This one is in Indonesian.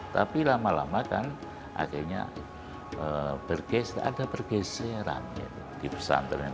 tapi lama lama kan akhirnya ada pergeseran di pesantren